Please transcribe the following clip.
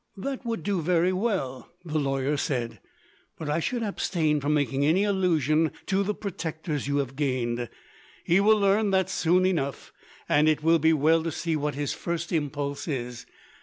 "That would do very well," the lawyer said, "but I should abstain from making any allusion to the protectors you have gained. He will learn that soon enough, and it will be well to see what his first impulse is.